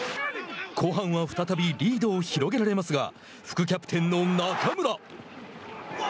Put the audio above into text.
後半は再びリードを広げられますが副キャプテンの中村。